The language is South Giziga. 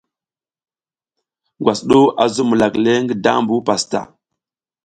Ngwas du a zuɓ milak le, ngi dambu pastaʼa.